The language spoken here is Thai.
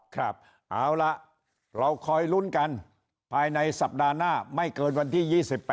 ครับเอาล่ะเราคอยลุ้นกันภายในสัปดาห์หน้าไม่เกินวันที่๒๘